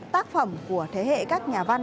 tác phẩm của thế hệ các nhà văn